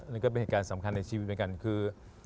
นี่ก็เป็นเหตุการณ์สำคัญในชีวิตเหมือนกันคือ